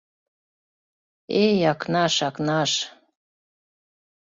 — Эй, Акнаш, Акнаш!